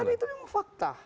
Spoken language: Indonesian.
karena itu memang fakta